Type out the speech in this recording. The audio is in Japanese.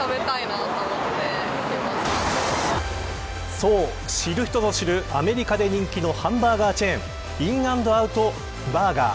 そう、知る人ぞ知るアメリカで人気のハンバーガーインアンドアウトバーガー。